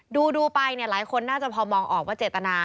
ดูไปหลายคนน่าจะพอมองออกว่าเจตนา